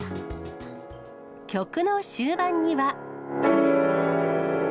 曲の終盤には。